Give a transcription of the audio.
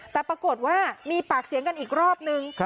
แต่ปรากฏว่ามีปากเสียงกันอีกรอบนึง